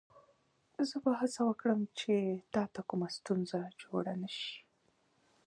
زه به هڅه وکړم چې تا ته کومه ستونزه جوړه نه شي.